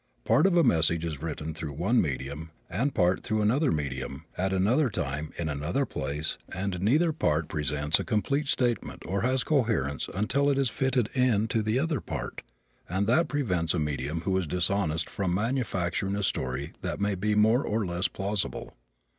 Part of a message is written through one medium and part through another medium at another time in another place and neither part presents a complete statement or has coherence until it is fitted into the other part; and that prevents a medium who is dishonest from manufacturing a story that may be more or less plausible.